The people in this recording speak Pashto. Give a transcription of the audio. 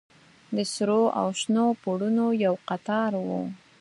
د سرو او شنو پوړونو يو قطار و.